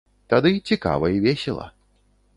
Тады цікава і весела.